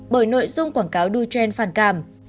bởi nội dung quảng cáo đu trend phản cảm